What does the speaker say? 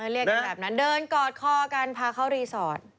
เรียกกันแบบนั้นเดินกอดคอกันพาเข้ารีสอร์ท